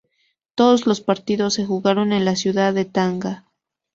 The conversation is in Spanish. Todos los partidos se jugaron en la ciudad de Tanga.